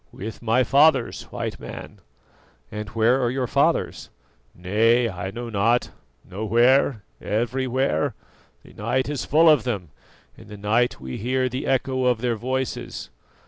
"With my fathers, White Man." "And where are your fathers?" "Nay, I know not nowhere, everywhere: the night is full of them; in the night we hear the echo of their voices.